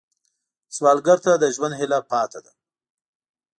سوالګر ته د ژوند هیله پاتې ده